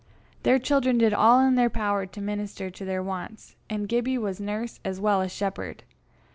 Their children did all in their power to minister to their wants, and Gibbie was nurse as well as shepherd.